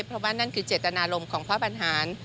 เพราะว่านั่นคือเจตนารมณ์ของพระบรรหาร